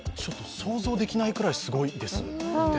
想像できないぐらいすごいです。